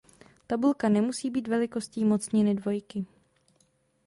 Tabulka nemusí být velikosti mocniny dvojky.